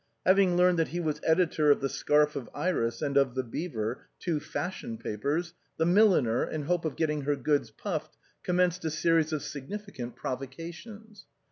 Having learned that he was editor of " The Scarf of Iris " and of " The Beaver," two fashion papers, the milliner, in the hope of getting her goods puffed, commenced a series of significant provoca tions.